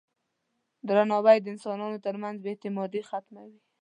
درناوی د انسانانو ترمنځ بې اعتمادي ختموي.